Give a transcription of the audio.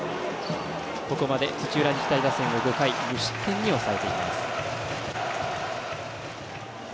ここまで土浦日大打線を５回無失点に抑えています。